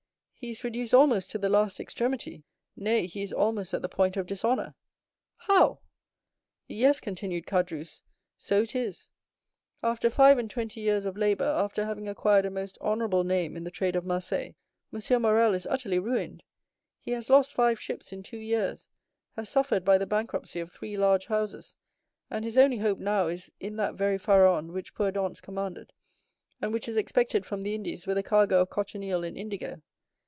"He is reduced almost to the last extremity—nay, he is almost at the point of dishonor." "How?" "Yes," continued Caderousse, "so it is; after five and twenty years of labor, after having acquired a most honorable name in the trade of Marseilles, M. Morrel is utterly ruined; he has lost five ships in two years, has suffered by the bankruptcy of three large houses, and his only hope now is in that very Pharaon which poor Dantès commanded, and which is expected from the Indies with a cargo of cochineal and indigo.